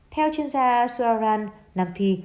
theo chuyên gia sudararan nam phi